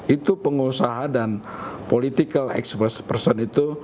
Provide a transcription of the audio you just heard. itu pengusaha dan political expert person itu